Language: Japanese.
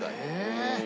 えっ！